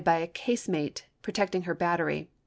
by a casemate, protecting her battery.